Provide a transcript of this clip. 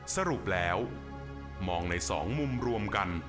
สรุปแล้วมองในสองมุมรวมกัน